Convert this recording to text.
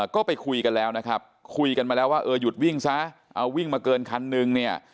ก็ไปคุยกันแล้วนะครับคุยกันมาแล้วว่าเออหยุดวิ่งซะเอาวิ่งมาเกินคันนึงเนี่ย